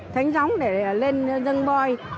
thành gióng để lên dân bôi